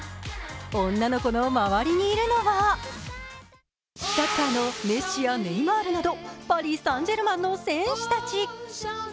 女の子の周りにいるのは、サッカーのメッシやネイマールなどパリ・サンジェルマンの選手たち。